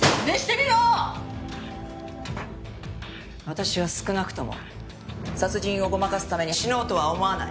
私は少なくとも殺人をごまかすために死のうとは思わない。